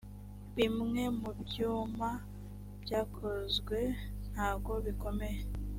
bimwe mu byuma byakozwe ntago bikomeye